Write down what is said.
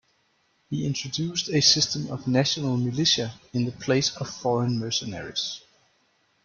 He introduced a system of national militia in the place of foreign mercenaries.